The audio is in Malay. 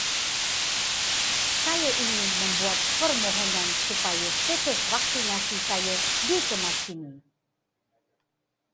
Saya ingin membuat permohonan supaya status vaksinasi saya dikemaskini.